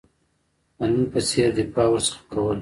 د نن په څېر دفاع ورڅخه کوله.